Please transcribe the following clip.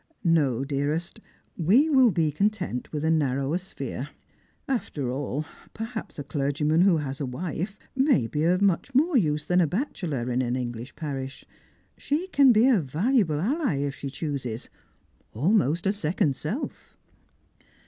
No, dearest, we will be content with a narrower sphere. After all, perhaps a clergy man who has a wife may be of more use tlian a bachelor in an Enghsh parish ; she can be such a valuable ally if she chooses, almost a second self."